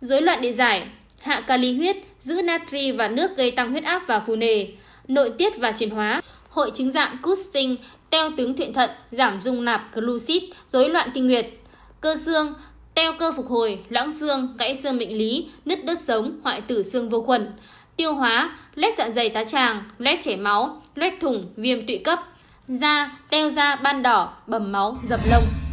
dối loạn địa giải hạ ca ly huyết giữ natri và nước gây tăng huyết ác và phù nề nội tiết và truyền hóa hội chứng dạng cút sinh teo tướng thuyện thận giảm dung nạp glucid dối loạn kinh nguyệt cơ xương teo cơ phục hồi lãng xương cãi xương mệnh lý nứt đất sống hoại tử xương vô khuẩn tiêu hóa lét dạng dày tá tràng lét chảy máu lét thủng viêm tụy cấp da teo da ban đỏ bầm máu dập lông